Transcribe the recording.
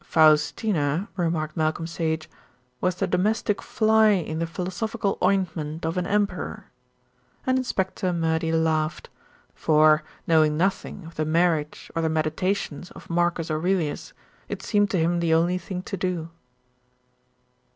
"Faustina," remarked Malcolm Sage, "was the domestic fly in the philosophical ointment of an emperor," and Inspector Murdy laughed; for, knowing nothing of the marriage or the Meditations of Marcus Aurelius, it seemed to him the only thing to do.